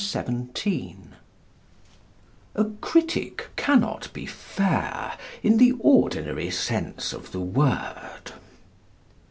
_A critic cannot be fair in the ordinary sense of the word.